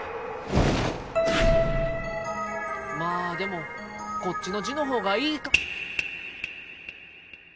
まあでもこっちの字のほうがいいか。